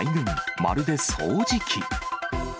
まるで掃除機。